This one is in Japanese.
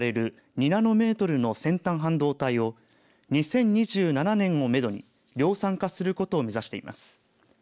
２ナノメートルの先端半導体を２０２７年をめどに量産化することを目指しています。